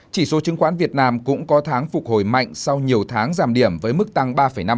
chỉ số chứng khoán việt nam cũng có tháng phục hồi mạnh sau nhiều tháng giảm điểm với mức tăng ba năm